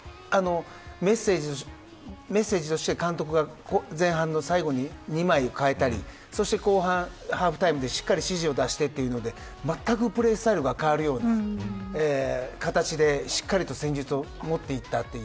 でも、メッセージとして監督が前半の最後に、２枚代えたりそして後半、ハーフタイムでしっかり指示を出してというのでまったくプレースタイルが変わるような形でしっかりと戦術を持っていったという。